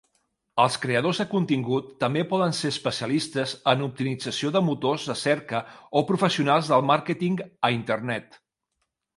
Els creadors de contingut també poden ser especialistes en optimització de motors de cerca o professionals del màrqueting a Internet.